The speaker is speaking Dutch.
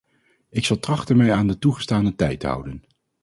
Ik zal trachten mij aan de toegestane tijd te houden.